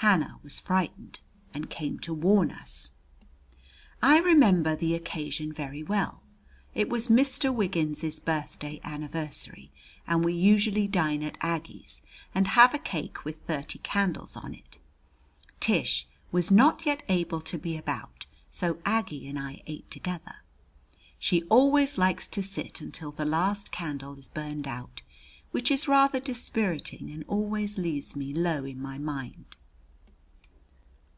Hannah was frightened and came to warn us. I remember the occasion very well. It was Mr. Wiggins's birthday anniversary, and we usually dine at Aggie's and have a cake with thirty candles on it. Tish was not yet able to be about, so Aggie and I ate together. She always likes to sit until the last candle is burned out, which is rather dispiriting and always leaves me low in my mind.